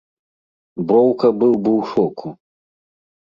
Броўка быў бы ў шоку.